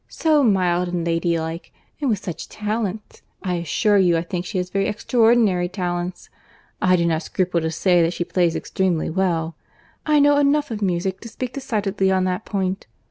So mild and ladylike—and with such talents!—I assure you I think she has very extraordinary talents. I do not scruple to say that she plays extremely well. I know enough of music to speak decidedly on that point.